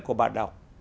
của bà đọc